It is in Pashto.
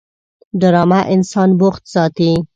ډرامه انسان بوخت ساتي